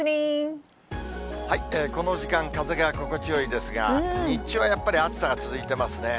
この時間、風が心地よいですが、日中はやっぱり暑さが続いてますね。